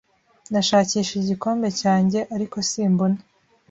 Nashakishije igikombe cyanjye, ariko simbona.